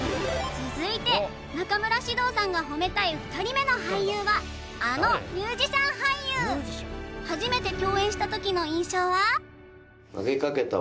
続いて中村獅童さんが褒めたい２人目の俳優はあのミュージシャン俳優初めて共演したときの印象は？